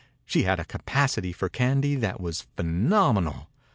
She had a capacity for candy that was phenomenal.